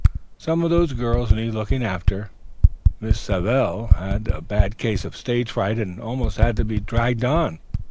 Some of those girls need looking after. Miss Savell had a bad case of stage fright and almost had to be dragged on.